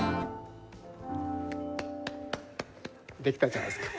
できたじゃないですか。